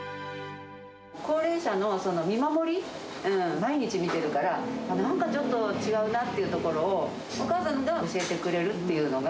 高齢者の見守り、毎日見てるから、なんかちょっと違うなというところを、お母さんが教えてくれるっていうのが。